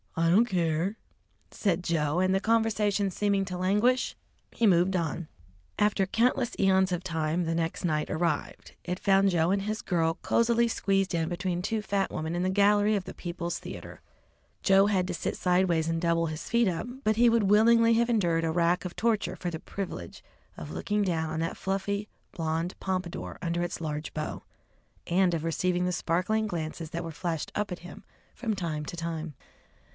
"I don't care," said Joe, and the conversation seeming to lauguish, he moved on. After countless eons of time the next night arrived. It found Joe and his girl cosily squeezed in between two fat women in the gallery of the People's Theatre. Joe had to sit sideways and double his feet up, but he would willingly have endured a rack of torture for the privilege of looking down on that fluffy, blond pompadour under its large bow, and of receiving the sparkling glances that were flashed up at him from time to time.